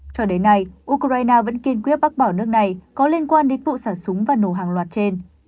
cho đến nay ukraine vẫn kiên quyết bác bỏ nước này có liên quan đến vụ sản súng và nổ hàng loạt trên